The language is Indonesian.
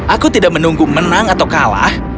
aku tidak menunggu menang atau kalah